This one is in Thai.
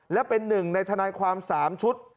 และเป็น๑ในทนายความ๓ชุด